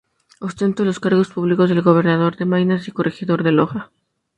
Ostentó los cargos públicos de Gobernador del Maynas y Corregidor de Loja.